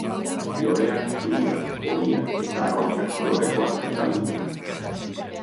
Loreak zuriak, horiak eta arrosa kolorekoak izan ohi dira.